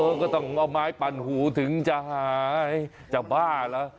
ก็ต้องเอาไม้ปั่นหูถึงจะหายจะบ้าเหรอ